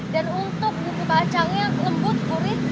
dan untuk bumbu bacangnya lembut gurih